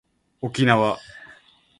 おきなわ